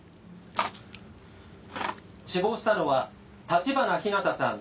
死亡したのは橘日向さん